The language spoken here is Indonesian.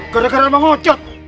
gara gara bang wacat